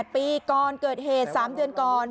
ปีก่อนเกิดเหตุ๓เดือนก่อน